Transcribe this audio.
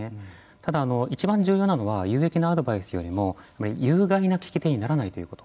ただ、いちばん重要なのは有益なアドバイスよりも有害な聞き手にならないということ。